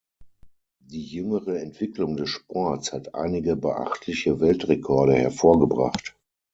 Die jüngere Entwicklung des Sports hat einige beachtliche Weltrekorde hervorgebracht.